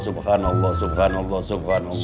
subhanallah subhanallah subhanallah